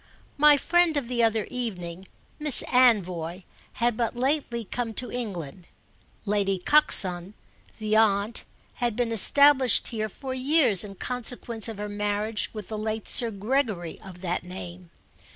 My friend of the other evening, Miss Anvoy, had but lately come to England; Lady Coxon, the aunt, had been established here for years in consequence of her marriage with the late Sir Gregory of that name.